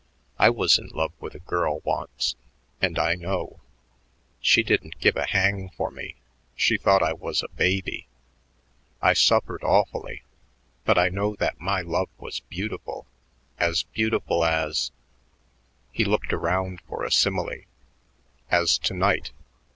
I was in love with a girl once and I know. She didn't give a hang for me; she thought I was a baby. I suffered awfully; but I know that my love was beautiful, as beautiful as " He looked around for a simile "as to night.